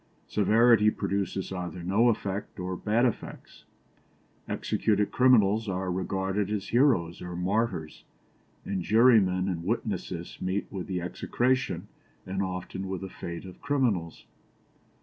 Severity produces either no effect or bad effects; executed criminals are regarded as heroes or martyrs; and jurymen and witnesses meet with the execration and often with the fate of criminals.